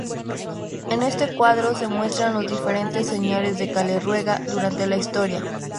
En este cuadro se muestran los diferentes Señores de Caleruega durante la historia.